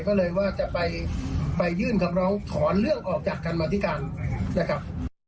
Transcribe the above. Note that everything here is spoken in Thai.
ก็เลยว่าจะไปยื่นคำร้องถอนเรื่องออกจากการมาธิการนะครับ